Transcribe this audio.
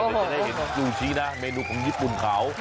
เดี๋ยวจะได้เห็นซูชินะเมนูของญี่ปุ่นเขา